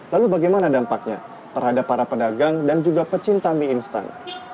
lalu bagaimana dampaknya terhadap para pedagang dan juga pecinta mie instan